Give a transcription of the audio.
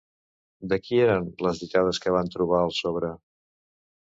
De qui eren les ditades que van trobar al sobre?